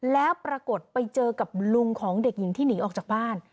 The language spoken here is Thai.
แล้วปรากฏไปเจอกับลุงของเด็กหญิงที่หนีออกจากบ้าน